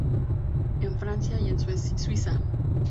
En Francia y en Suiza.